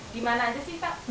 di mana aja sih pak